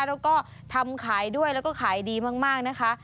แล้วก็ทำขายด้วยแล้วก็ขายดีมากนะคะ